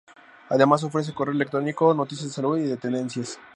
Además ofrece correo electrónico, noticias de salud y de tendencias.